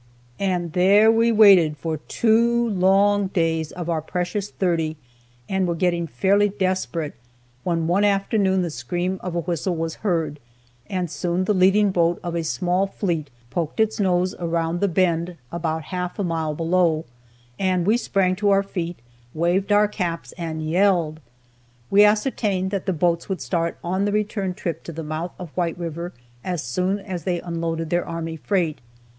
And there we waited for two long days of our precious thirty, and were getting fairly desperate, when one afternoon the scream of a whistle was heard, and soon the leading boat of a small fleet poked its nose around the bend about half a mile below, and we sprang to our feet, waved our caps and yelled! We ascertained that the boats would start on the return trip to the mouth of White river as soon as they unloaded their army freight.